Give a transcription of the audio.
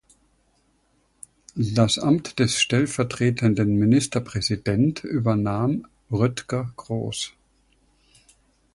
Das Amt des Stellvertretenden Ministerpräsident übernahm Rötger Groß.